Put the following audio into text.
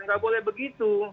enggak boleh begitu